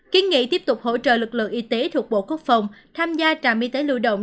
kiến nghị tiếp tục hỗ trợ lực lượng y tế thuộc bộ quốc phòng tham gia trạm y tế lưu động